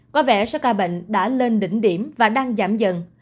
có vẻ raka bệnh đã lên đỉnh điểm và đang giảm dần